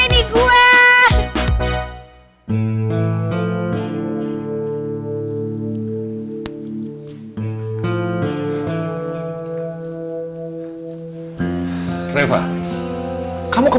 tapi satunya satu kilo